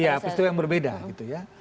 ya peristiwa yang berbeda gitu ya